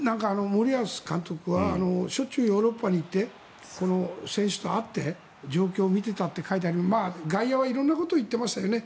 森保監督はしょっちゅうヨーロッパに行って選手と会って状況を見てたと書いてあって外野はいろんなことを言っていましたよね